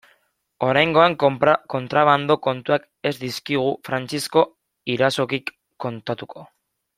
Oraingoan kontrabando kontuak ez dizkigu Frantzisko Irazokik kontatuko.